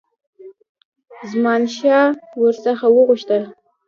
زمانشاه ور څخه وغوښتل.